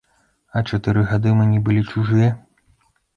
А чатыры гады мы не былі чужыя?